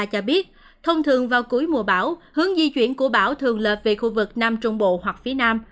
cho biết thông thường vào cuối mùa bão hướng di chuyển của bão thường lợp về khu vực nam trung bộ hoặc phía nam